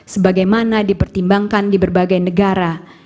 sebagaimana dipertimbangkan di berbagai negara